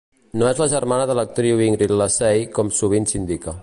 No és la germana de l'actriu Ingrid Lacey com sovint s'indica.